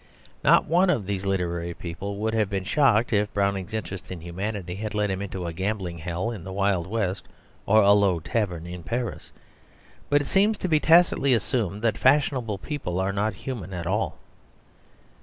Not one of these literary people would have been shocked if Browning's interest in humanity had led him into a gambling hell in the Wild West or a low tavern in Paris; but it seems to be tacitly assumed that fashionable people are not human at all.